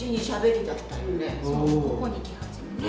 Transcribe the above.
そうここに来始めてね。